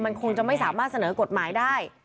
มันคงจะไม่สามารถเสนอกฎหมายได้